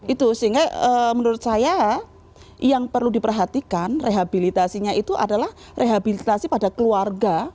itu sehingga menurut saya yang perlu diperhatikan rehabilitasinya itu adalah rehabilitasi pada keluarga